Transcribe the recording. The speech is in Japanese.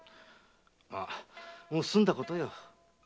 まもう済んだことよ。